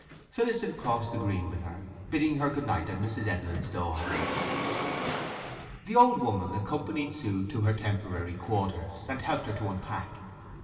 Phillotson crossed the green with her, bidding her good night at Mrs. Edlin's door. The old woman accompanied Sue to her temporary quarters, and helped her to unpack.